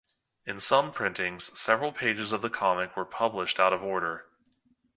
In some printings, several pages of the comic were published out of order.